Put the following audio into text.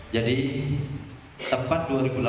jadi tepat dua ribu delapan belas